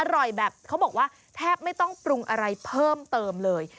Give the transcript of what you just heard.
อร่อยแบบเขาบอกว่าแทบไม่ต้องปรุงอะไรเพิ่มเติมเลย